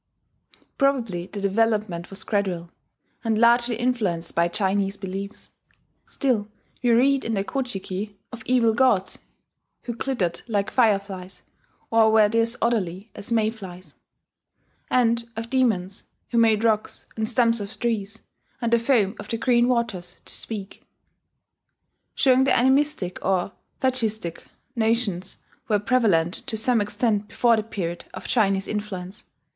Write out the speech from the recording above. Probably the development was gradual, and largely influenced by Chinese beliefs. Still, we read in the Ko ji ki of "evil gods who glittered like fireflies or were disorderly as mayflies," and of "demons who made rocks, and stumps of trees, and the foam of the green waters to speak," showing that animistic or fetichistic notions were prevalent to some extent before the period of Chinese influence.